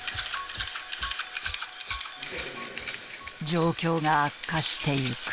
状況が悪化していく。